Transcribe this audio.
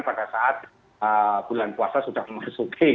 tidak saat bulan puasa sudah masuk